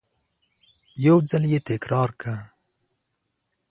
یو ځل یې تکرار کړه !